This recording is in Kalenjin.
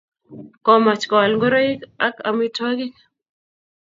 Komach koal ngoroik am amitwogik.